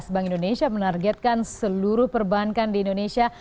bank indonesia menargetkan seluruh perbankan di indonesia